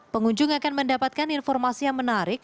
pengunjung akan mendapatkan informasi yang menarik